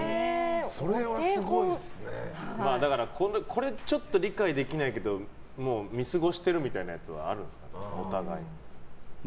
これちょっと理解できないけどもう見過ごしてるみたいなやつはあるんですか、お互い。